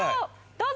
どうぞ！